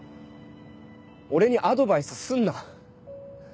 俺にアドバイスすんな。